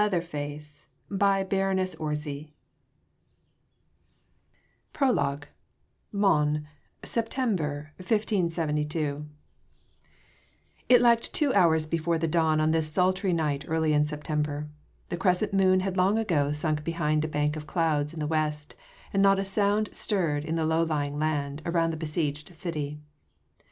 The Hour of Victory Epilogue PROLOGUE: MONS, SEPTEMBER, 1572 PROLOGUE MONS: SEPTEMBER, 1572 It lacked two hours before the dawn on this sultry night early in September. The crescent moon had long ago sunk behind a bank of clouds in the west, and not a sound stirred the low lying land around the besieged city.